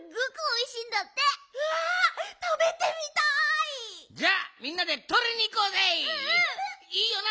いいよな？